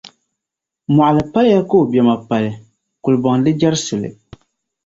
Mɔɣili paliya ka o biɛma pali; kulibɔŋ di jɛri suli.